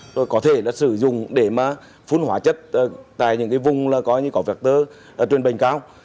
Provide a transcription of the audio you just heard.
rồi có thể là sử dụng để mà phun hóa chất tại những vùng có vẹt tơ truyền bệnh cao